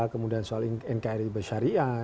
kemudian soal nkri bersyariah